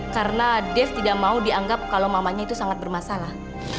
karena dev tidak mau dianggap kalau mamanya itu sangat bermasalah